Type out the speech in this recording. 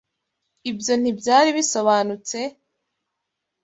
Ibyo ntibyari bisobanutse?